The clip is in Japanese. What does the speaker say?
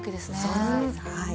そうなんですはい。